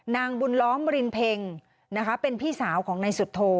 นางบุญล้อมรินเพ็งนะคะเป็นพี่สาวของนายสุโธ